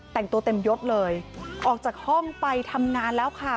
แต่งตัวเต็มยดเลยออกจากห้องไปทำงานแล้วค่ะ